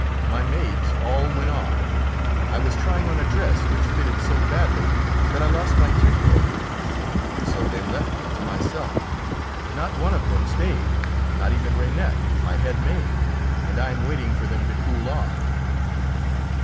"My maids all went off. I was trying on a dress which fitted so badly that I lost my temper over it, and so they left me to myself. Not one of them stayed, not even Reinette, my head maid, and I am waiting for them to cool off."